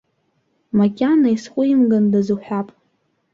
Макьана исҟәимгандаз уҳәап.